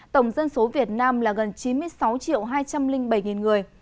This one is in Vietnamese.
tổng dân số việt nam là gần chín mươi sáu hai trăm linh bảy người